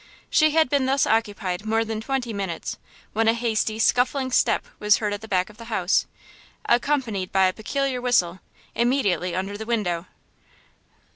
She had been thus occupied more than twenty minutes when a hasty, scuffling step was heard at the back of the house, accompanied by a peculiar whistle, immediately under the window.